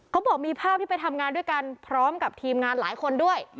เขาบอกมีภาพที่ไปทำงานด้วยกันพร้อมกับทีมงานหลายคนด้วย